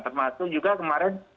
termasuk juga kemarin